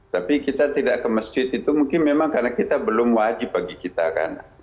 tapi kita tidak ke masjid itu mungkin memang karena kita belum wajib bagi kita kan